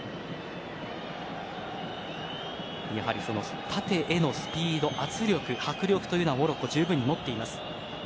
やはり縦へのスピード、圧力迫力というのはモロッコ、十分に持っています。